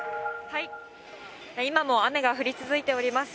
今も雨が降り続いております。